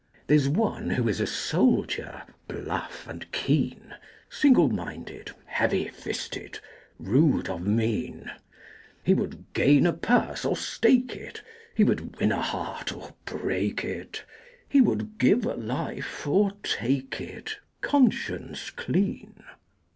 There's one who is a soldier Bluff and keen; Single minded, heavy fisted, Rude of mien. He would gain a purse or stake it, He would win a heart or break it, He would give a life or take it, Conscience clean.